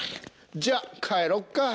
じゃあ帰ろっか。